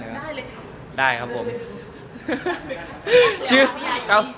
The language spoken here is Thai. สมกลุ่มคำว่าเรื่อยดีกว่า